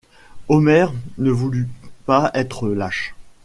Omer ne voulut pas être lâche.